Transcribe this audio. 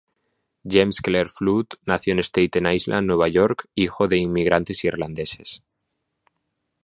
James Clair Flood nació en Staten Island, Nueva York, hijo de inmigrantes irlandeses.